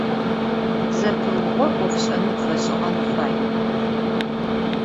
Zepıuğo 'ofş'enım feş'ığen fay.